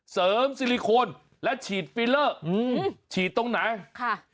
ซิลิโคนและฉีดฟิลเลอร์อืมฉีดตรงไหนค่ะ